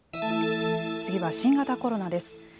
次は新型コロナです。